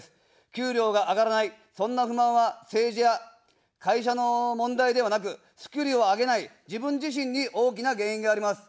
給料が上がらない、そんな不満は政治や会社の問題ではなく、スキルを上げない自分自身に大きな原因があります。